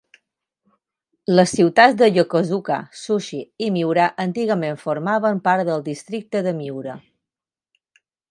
Les ciutats de Yokosuka, Zushi i Miura antigament formaven part del districte de Miura.